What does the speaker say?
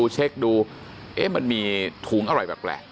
เช็คดูเอ๊ะมันมีถุงอร่อยแบบแหละ